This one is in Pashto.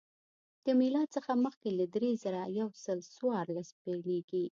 له میلاد څخه مخکې له درې زره یو سل څوارلس پیلېږي